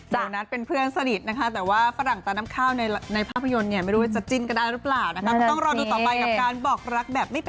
โดนัทเป็นเพื่อนสนิทค่ะ